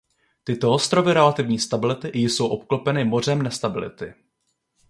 Tyto ostrovy relativní stability jsou obklopeny mořem nestability.